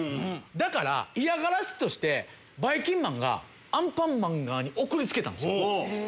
だから嫌がらせとしてばいきんまんがアンパンマン側に送りつけたんです。